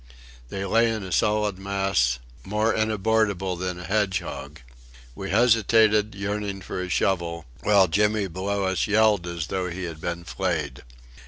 They lay in a solid mass more inabordable than a hedgehog. We hesitated, yearning for a shovel, while Jimmy below us yelled as though he had been flayed.